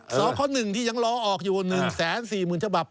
สคหนึ่งที่ยังล้อออกอยู่๑๔๐๐๐๐ฉบับ